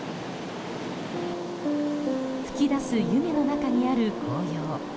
吹き出す湯気の中にある紅葉